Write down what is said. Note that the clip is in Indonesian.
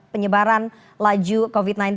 penyebaran laju covid sembilan belas